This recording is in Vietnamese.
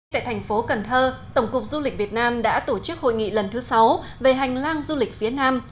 tại thành phố cần thơ tổng cục du lịch việt nam đã tổ chức hội nghị lần thứ sáu về hành lang du lịch phía nam